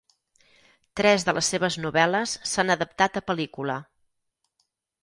Tres de les seves novel·les s'han adaptat a pel·lícula.